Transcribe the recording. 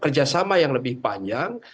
kerjasama yang lebih panjang